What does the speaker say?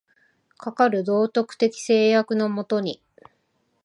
かかる道徳的制約の下に、